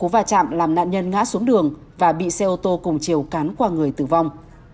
và chạm làm nạn nhân ngã xuống đường và bị xe ô tô cùng chiều cán qua người tử vong